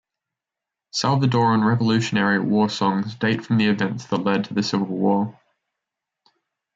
Salvadoran revolutionary war songs date from the events that led to the civil war.